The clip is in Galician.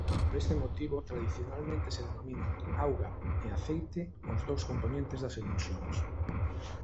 Por este motivo tradicionalmente se denominan "auga" e "aceite" aos dous compoñentes das emulsións.